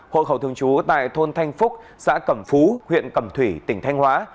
hộ khẩu thường trú tại thôn thanh phúc xã cẩm phú huyện cẩm thủy tỉnh thanh hóa